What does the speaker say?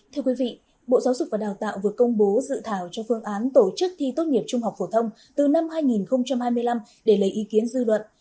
thưa quý vị bộ giáo dục và đào tạo vừa công bố dự thảo cho phương án tổ chức thi tốt nghiệp trung học phổ thông từ năm hai nghìn hai mươi năm để lấy ý kiến dư luận